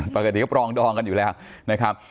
ปกติก็ปรองดองกันอยู่แล้วนะครับ